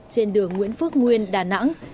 trên đường nguyễn phước nguyên đà nẵng